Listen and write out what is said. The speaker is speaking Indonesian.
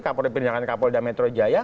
kapolri perintahkan kapolri dan metro jaya